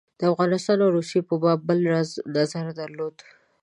د افغانستان او روسیې په باب بل راز نظر درلود.